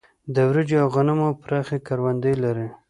د وريجو او غنمو پراخې کروندې لري.